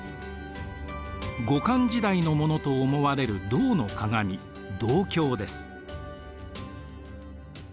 後漢時代のものと思われる銅の鏡銅鏡です。